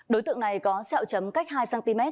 đối tượng này có sẹo chấm cách hai cm